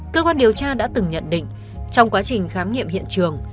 cơ quan điều tra đã từng nhận định trong quá trình khám nghiệm hiện trường